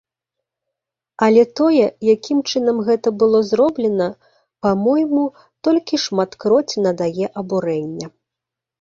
Але тое, якім чынам гэта было зроблена, па-мойму, толькі шматкроць надае абурэння.